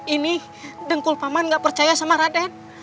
ini dengkul paman gak percaya sama raden